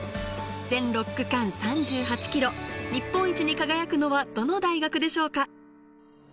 全６区間３８ｋｍ、日本一に輝くのはどの大学でしょうか？